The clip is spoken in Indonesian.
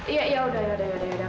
iya yaudah yaudah yaudah